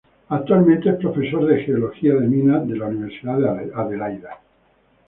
Actualmente es profesor de Geología de Minas de la Universidad de Adelaida.